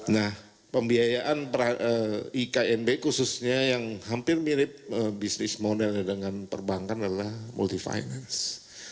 nah pembiayaan iknb khususnya yang hampir mirip bisnis modelnya dengan perbankan adalah multifinance